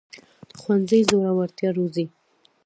ښوونځی زړورتیا روزي